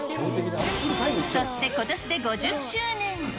そしてことしで５０周年。